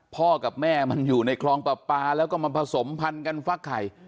พ่อกับแม่มันอยู่ในคลองปลาปลาแล้วก็มาผสมพันธุ์กันฟักไข่